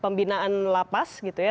pembinaan lapas gitu ya